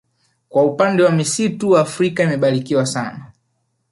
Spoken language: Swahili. Kwa upande wa misitu Afrika imebarikiwa sana